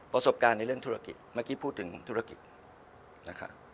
ประสบการณ์ในเรื่องธุรกิจเมื่อกี้พูดถึงธุรกิจนะคะ